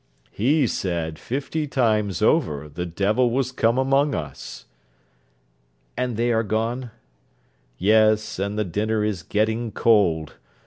'He said, fifty times over, the devil was come among us.' 'And they are gone?' 'Yes; and the dinner is getting cold.